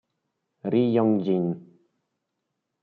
Ri Hyong-jin